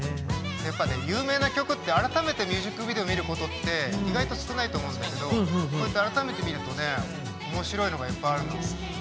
やっぱね有名な曲って改めてミュージックビデオを見ることって意外と少ないと思うんだけどこうやって改めてみるとねおもしろいのがいっぱいあるの。